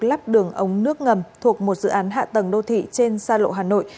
lắp đường ống nước ngầm thuộc một dự án hạ tầng đô thị trên xa lộ hà nội